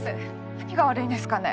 何が悪いんですかね